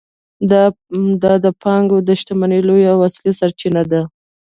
دا د پانګوال د شتمنۍ لویه او اصلي سرچینه ده